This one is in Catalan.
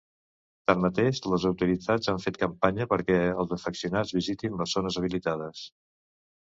Tanmateix, les autoritats han fet campanya perquè els afeccionats visitin les zones habilitades.